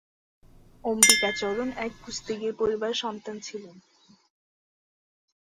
অম্বিকাচরণ এক কুস্তিগীর পরিবারের সন্তান ছিলেন।